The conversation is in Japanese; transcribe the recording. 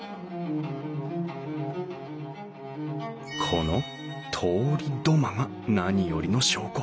この通り土間が何よりの証拠。